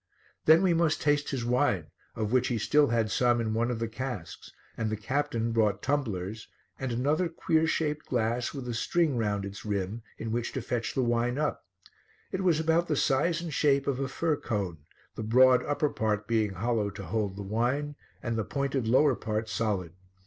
Then we must taste his wine, of which he still had some in one of the casks, and the captain brought tumblers and another queer shaped glass with a string round its rim in which to fetch the wine up; it was about the size and shape of a fir cone, the broad upper part being hollow to hold the wine, and the pointed lower part solid.